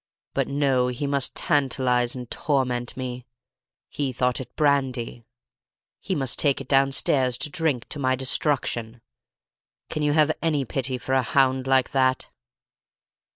But no, he must tantalize and torment me; he thought it brandy; he must take it downstairs to drink to my destruction! Can you have any pity for a hound like that?"